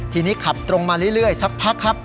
ทีนี้ขับตรงมาเรื่อยสักพักครับ